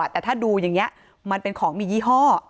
แต่ถ้าดูอย่างนี้มันเป็นของมียี่ห้อ